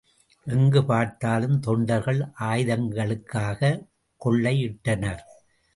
எங்கு பார்த்தாலும் தொண்டர்கள் ஆயுதங்களைக்காகக் கொள்ளையிட்டனர்.